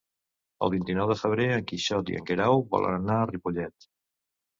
El vint-i-nou de febrer en Quixot i en Guerau volen anar a Ripollet.